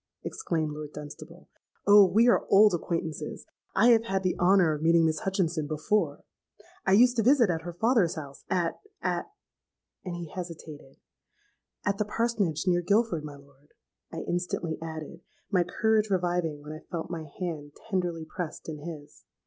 exclaimed Lord Dunstable; 'Oh! we are old acquaintances: I have had the honour of meeting Miss Hutchinson before. I used to visit at her father's house, at—at—;' and he hesitated.—'At the Parsonage, near Guilford, my lord,' I instantly added, my courage reviving when I felt my hand tenderly pressed in his.